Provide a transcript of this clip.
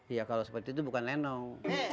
ya kalau seperti itu bukan lenong